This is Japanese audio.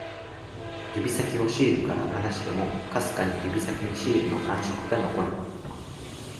指先をシールから離しても、かすかに指先にシールの感触が残る